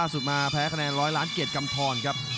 สุดมาแพ้คะแนน๑๐๐ล้านเกร็ดกำทรอนครับ